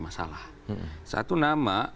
masalah satu nama